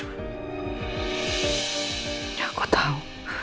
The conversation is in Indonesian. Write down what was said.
ya aku tau